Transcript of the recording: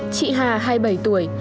chị hà hai mươi bảy tuổi